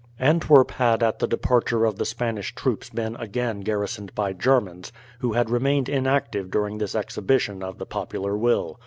Antwerp had at the departure of the Spanish troops been again garrisoned by Germans, who had remained inactive during this exhibition of the popular will.